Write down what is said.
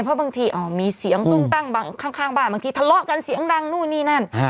เพราะบางทีมีเสียงตุ้งตั้งข้างบ้านบางทีทะเลาะกันเสียงดังนู่นนี่นั่น